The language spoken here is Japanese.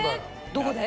どこで？